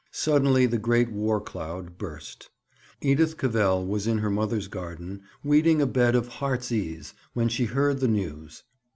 Suddenly the great war cloud burst. Edith Cavell was in her mother's garden weeding a bed of heartsease when she heard the news.